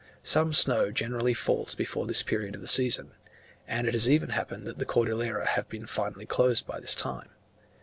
Some snow generally falls before this period of the season, and it has even happened that the Cordillera have been finally closed by this time.